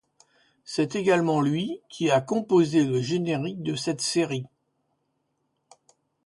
C'est également lui qui a composé le générique de cette série.